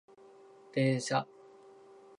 電車